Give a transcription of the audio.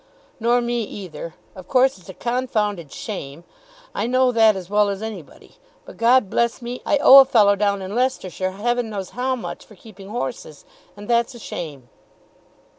"Nor me either. Of course it's a confounded shame. I know that as well as any body. But, God bless me, I owe a fellow down in Leicestershire heaven knows how much for keeping horses, and that's a shame."